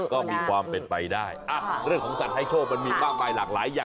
ก็มีความเป็นไปได้เรื่องของสัตว์ให้โชคมันมีมากมายหลากหลายอย่าง